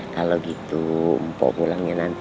kalau gitu mpok pulangnya nanti